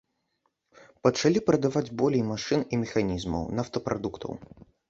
Пачалі прадаваць болей машын і механізмаў, нафтапрадуктаў.